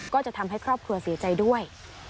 ก็จะทำให้ครอบครัวเสียใจด้วย